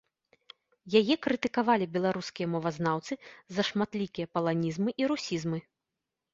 Яе крытыкавалі беларускія мовазнаўцы за шматлікія паланізмы і русізмы.